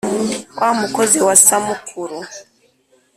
wa mukozi wa samukuru